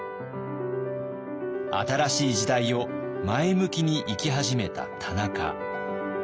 新しい時代を前向きに生き始めた田中。